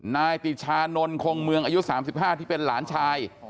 นายติชานนท์คงเมืองอายุ๓๕ที่เป็นหลานชาย